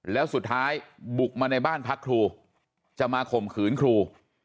แล้วสุดท้ายบุกมาในบ้านพักครูจะมาข่มขืนครู